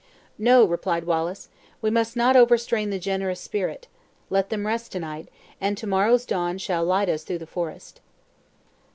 "No," replied Wallace; "we must not overstrain the generous spirit. Let them rest to night, and to morrow's dawn shall light us through the forest."